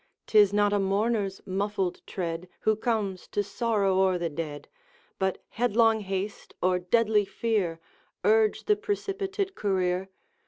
'T is not a mourner's muffled tread, Who comes to sorrow o'er the dead, But headlong haste or deadly fear Urge the precipitate career.